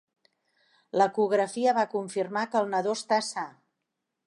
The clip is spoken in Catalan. L'ecografia va confirmar que el nadó està sa.